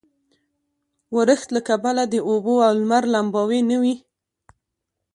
ورښت له کبله د اوبو او لمر لمباوې نه وې.